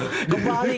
gepalik gitu dikatanya